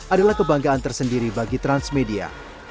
adalah kebanggaan tersendiri bagi transmedia